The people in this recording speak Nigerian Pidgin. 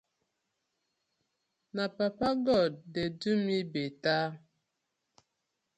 Na papa god dey do mi better.